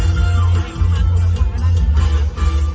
มันเป็นเมื่อไหร่แล้ว